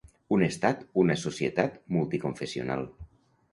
Un estat, una societat, multiconfessional.